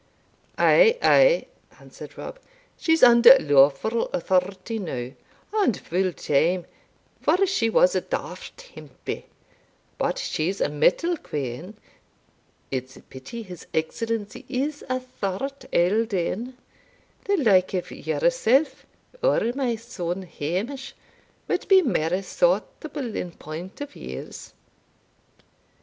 "Ay, ay," answered Rob, "she's under lawfu' authority now; and full time, for she was a daft hempie But she's a mettle quean. It's a pity his Excellency is a thought eldern. The like o' yourself, or my son Hamish, wad be mair sortable in point of years."